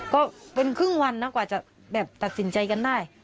ก็เป็นครึ่งวันนะกว่าจะแบบตัดสินใจกันได้